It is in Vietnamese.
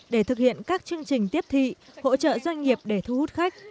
để thực hiện các chương trình tiếp thị hỗ trợ doanh nghiệp để thu hút khách